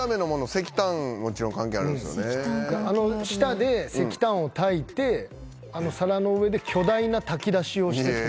あの下で石炭をたいてあの皿の上で巨大な炊き出しをしてきた。